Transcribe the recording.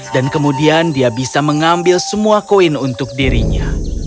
dan kemudian dia bisa mengambil semua koin untuk dirinya